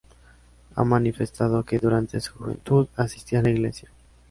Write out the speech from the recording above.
Ha manifestado que durante su juventud asistía a la iglesia.